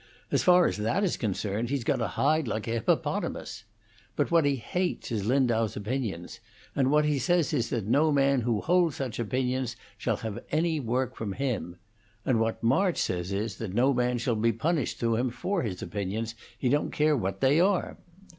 As far as that is concerned, he's got a hide like a hippopotamus. But what he hates is Lindau's opinions, and what he says is that no man who holds such opinions shall have any work from him. And what March says is that no man shall be punished through him for his opinions, he don't care what they are."